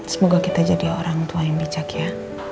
semoga kita jadi orang tua yang bijak ya